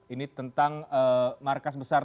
ini tentang markas besar